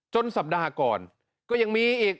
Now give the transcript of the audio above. สัปดาห์ก่อนก็ยังมีอีก